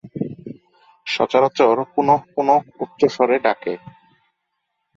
সচরাচর পুনঃ পুনঃ উচ্চ স্বরে ডাকে।